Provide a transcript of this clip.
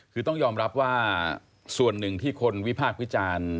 คือต้องยอมรับว่าส่วนหนึ่งที่คนวิพากษ์วิจารณ์